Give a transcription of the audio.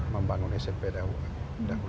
membangun smp dahulu